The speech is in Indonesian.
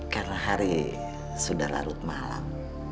karena hari sudah larut malam